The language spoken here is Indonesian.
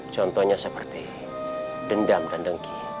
contohnya seperti dendam dan dengki